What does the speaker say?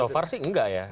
so far sih nggak ya